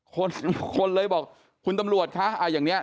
คนคนเลยบอกคุณตำรวจคะอย่างนี้